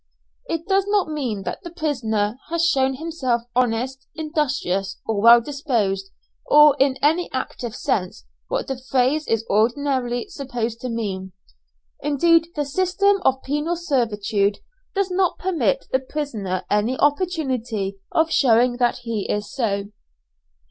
It does not mean that the prisoner has shown himself honest, industrious, or well disposed, or in any active sense what the phrase is ordinarily supposed to mean; indeed the system of penal servitude does not permit the prisoner any opportunity of showing that he is so.